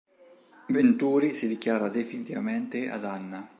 Venturi si dichiara definitivamente ad Anna.